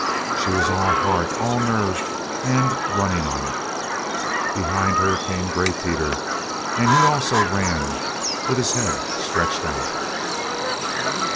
She was all heart, all nerve, and running on it. Behind her came Gray Peter, and he also ran with his head stretched out.